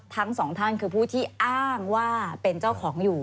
ทั้งสองท่านคือผู้ที่อ้างว่าเป็นเจ้าของอยู่